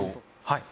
はい。